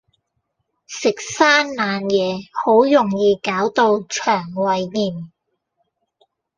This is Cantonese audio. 食生冷野好容易搞到腸胃炎